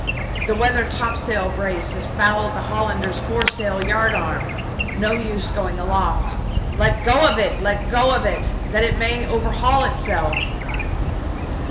the weather topsail brace has fouled the Hollander's fore topsail yard arm. No use going aloft ! Let go of it — let go of it — that it may overhaul itself!"